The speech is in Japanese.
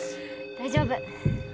大丈夫。